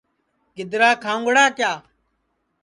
گِدرا کھاؤنگڑا کِیا